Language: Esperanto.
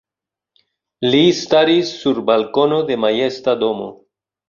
Li staris sur balkono de majesta domo.